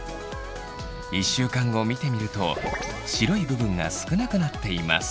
１週間後見てみると白い部分が少なくなっています。